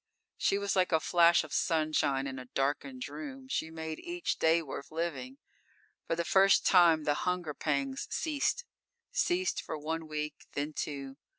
_ _She was like a flash of sunshine in a darkened room. She made each day worth living. For the first time the hunger pangs ceased. Ceased for one week, then two.